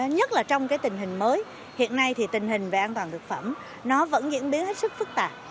nhất là trong cái tình hình mới hiện nay thì tình hình về an toàn thực phẩm nó vẫn diễn biến hết sức phức tạp